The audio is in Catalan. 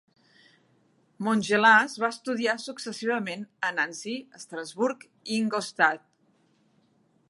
Montgelas va estudiar successivament a Nancy, Estrasburg i Ingolstadt.